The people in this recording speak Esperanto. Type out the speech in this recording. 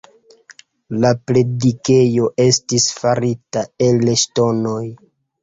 La predikejo estis farita el ŝtonoj.